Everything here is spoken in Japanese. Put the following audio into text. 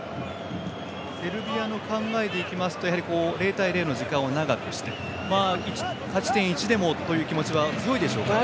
セルビアの考えでいくと０対０の時間を長くして勝ち点１でもという気持ちは強いでしょうかね。